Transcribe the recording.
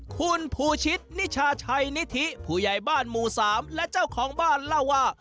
คุณภูชิตนิชาชัยนิธิผู้ใหญ่บ้านหมู่๓และเจ้าของบ้านเล่าว่า